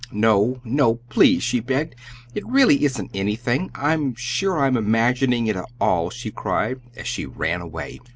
"No, no, please!" she begged. "It really isn't anything. I'm sure I'm imagining it all!" she cried, as she ran away.